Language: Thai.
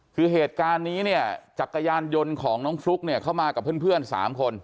คือเหตุการณ์นี้เนี่ยจักรยานยนต์ของน้องฟลุ๊กเนี่ยเข้ามากับเพื่อน๓คน